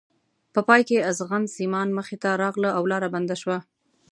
په پای کې ازغن سیمان مخې ته راغله او لاره بنده شوه.